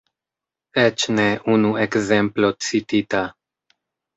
Eĉ ne unu ekzemplo citita.